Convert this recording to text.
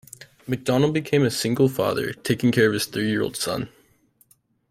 Macdonald became a single father, taking care of his three-year-old son.